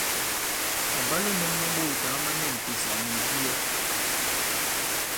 Màbwalo mɛ̄ŋ mā ɓoòtǎŋ ma ni m̀pèsà nì ìbiyɛ.